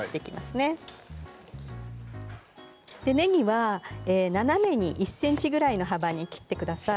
ねぎは斜めに１ｃｍぐらいの幅に切ってください。